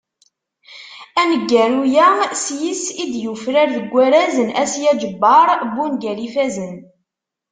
Aneggaru-a s yis-s i d-yufrar deg warraz n Asya Ǧebbar n wungal ifazzen.